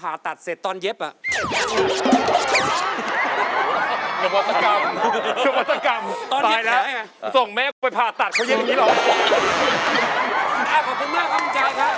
ขอบคุณมากครับคุณใจครับ